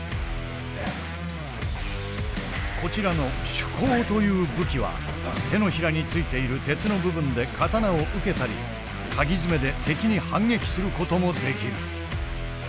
こちらの手鉤という武器は手のひらについている鉄の部分で刀を受けたり鉤爪で敵に反撃することもできる。